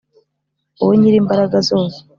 Wowe Nyir’ imbaraga zose,